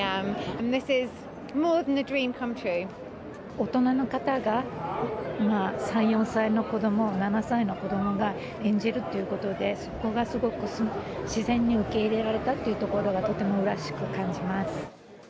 大人の方が３、４歳の子どもを、７歳の子どもが演じるっていうことで、そこがすごく自然に受け入れられたっていうところがとてもうれしく感じます。